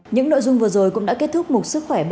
những nội dung vừa rồi cũng đã kết thúc